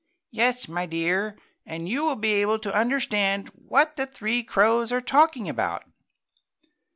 "Yes, my dear, and you will be able to understand what the three crows are talking about."